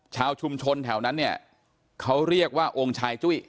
ชาวชุมชนแถวนั้นเนี่ยเขาเรียกว่าองค์ชายจุ้ย